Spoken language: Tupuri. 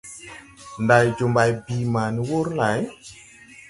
Ndày jo mbày bii ma ni wur lay ?